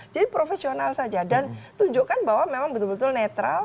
jadi profesional saja dan tunjukkan bahwa memang betul betul netral